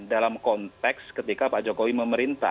dalam konteks ketika pak jokowi memerintah